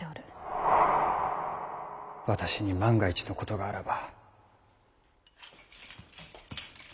私に万が一のことがあらば。